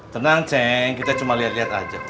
tenang cenk kita cuman liat liat aja